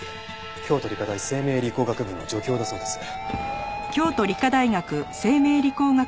京都理科大生命理工学部の助教だそうです。